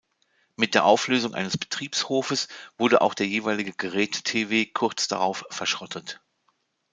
Mit der Auflösung eines Betriebshofes wurde auch der jeweilige Geräte-Tw kurz darauf verschrottet.